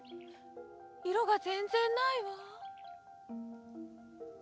いろがぜんぜんないわ。